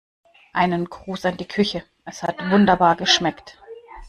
Einen Gruß an die Küche, es hat wunderbar geschmeckt.